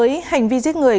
với hành vi giết người